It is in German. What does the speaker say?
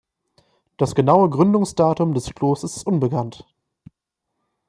Das genaue Gründungsdatum des Klosters ist unbekannt.